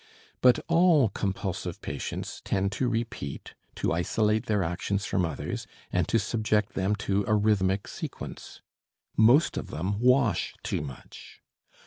But all compulsive patients tend to repeat, to isolate their actions from others and to subject them to a rhythmic sequence. Most of them wash too much.